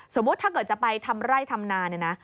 สมมุติถ้าเกิดจะไปทำร่ายทำนานนี่นะ